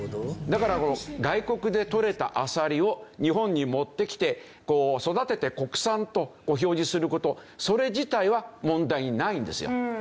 だから外国で取れたアサリを日本に持ってきて育てて国産と表示する事それ自体は問題ないんですよ。